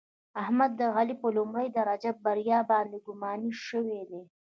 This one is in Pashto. احمد د علي په لومړۍ درجه بریا باندې ګماني شوی دی.